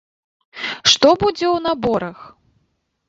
Што будзе ў наборах?